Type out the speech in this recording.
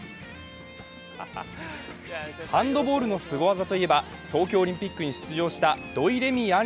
ハンドボールのスゴ技といえば東京オリンピックに出場した土井レミイ